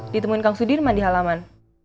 ditemuin kang sudirman di halaman